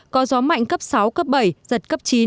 có gió mạnh cấp sáu cấp bảy giật cấp chín